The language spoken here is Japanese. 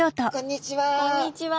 こんにちは。